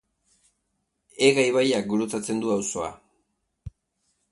Ega ibaiak gurutzatzen du auzoa.